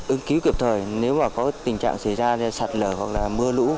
ứng cứu kịp thời nếu mà có tình trạng xảy ra sạt lở hoặc là mưa lũ